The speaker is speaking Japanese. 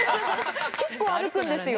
結構歩くんですよ。